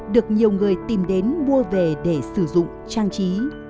được nhiều người tìm đến mua về để sử dụng trang trí